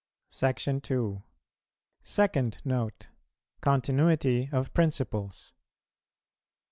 SECTION II. SECOND NOTE. CONTINUITY OF PRINCIPLES.